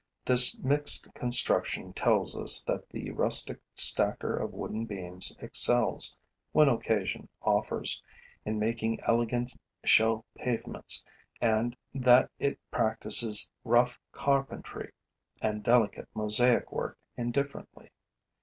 This mixed construction tells us that the rustic stacker of wooden beams excels, when occasion offers, in making elegant shell pavements and that it practices rough carpentry and delicate mosaic work indifferently.